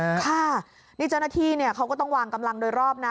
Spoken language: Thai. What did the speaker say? ค่ะนี่เจ้าหน้าที่เนี่ยเขาก็ต้องวางกำลังโดยรอบนะ